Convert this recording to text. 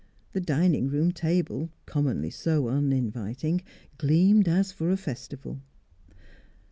The dining room table, commonly so uninviting, gleamed as for a festival.